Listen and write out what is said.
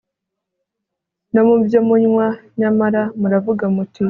no mu byo munywa Nyamara muravuga muti